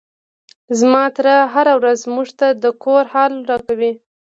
زما تره هره ورځ موږ ته د کور حال راکوي.